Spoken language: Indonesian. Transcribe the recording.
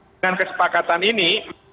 dengan kesepakatan ini